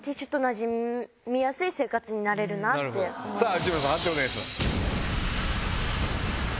内村さん判定をお願いします。